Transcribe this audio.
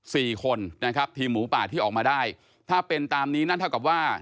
สี่คนนะครับทีมหมูป่าที่ออกมาได้ถ้าเป็นตามนี้นั่นเท่ากับว่า